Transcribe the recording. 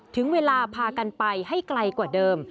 ถึงเวลาพากันไปให้ไกลกว่าเดิม